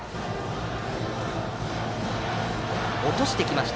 落としてきました。